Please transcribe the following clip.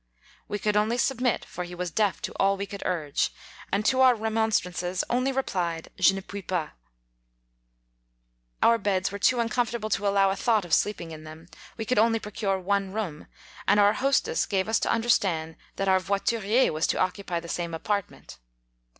We could only submit, for he was deaf to all we could urge, and to our remonstrances only replied, Je ne puis pas. Our beds were too uncomfortable to allow a thought of sleeping in them : we could only procure one room, and our hostess gave us to understand that our voiturier was to occupy the same apart ment.